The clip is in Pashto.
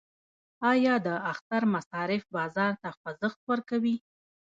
آیا د اختر مصارف بازار ته خوځښت ورکوي؟